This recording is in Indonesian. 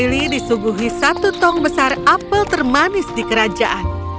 lili disuguhi satu tong besar apel termanis di kerajaan